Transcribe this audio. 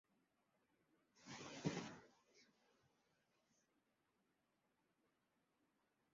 唐天佑年间曾修建高公桥一座以方便两岸来往。